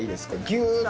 ギュッと。